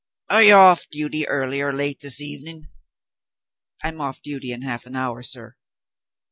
"Are you off duty, early or late this evening?" "I am off duty in half an hour, sir."